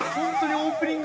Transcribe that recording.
◆オープニング